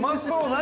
何？